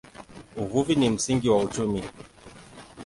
Uvuvi ni msingi wa uchumi.